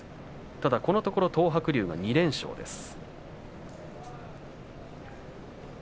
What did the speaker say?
ただ、ここのところ東白龍が２連勝です。